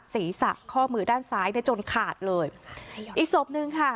ศีรษะข้อมือด้านซ้ายเนี่ยจนขาดเลยอีกศพหนึ่งค่ะ